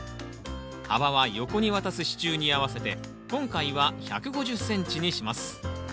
幅は横に渡す支柱に合わせて今回は１５０ｃｍにします。